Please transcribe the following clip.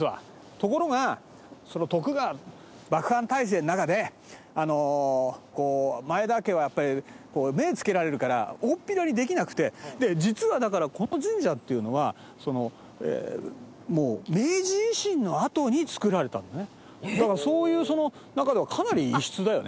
ところが徳川幕藩体制の中であのこう前田家はやっぱり目付けられるから大っぴらにできなくて実はだからこの神社っていうのはもうだからそういうその中ではかなり異質だよね。